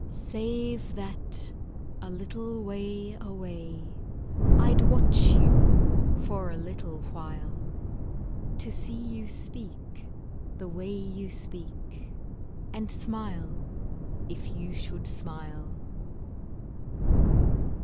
Save that, a little way away, I'd watch you for a little while, To see you speak, the way you speak, And smile, if you should smile.